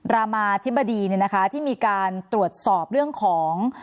รามาธิบดีที่มีการตรวจสอบเรื่องของ